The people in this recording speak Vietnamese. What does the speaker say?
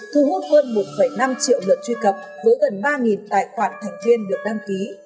thu hút hơn một năm triệu lượt truy cập với gần ba tài khoản thành viên được đăng ký